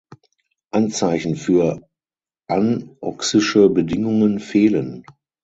Anzeichen für anoxische Bedingungen fehlen.